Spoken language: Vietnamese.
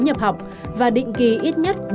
nhập học và định ký ít nhất